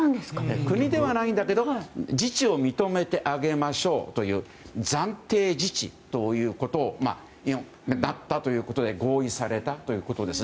国ではないんだけど自治を認めてあげましょうという暫定自治だったということで合意されたということです。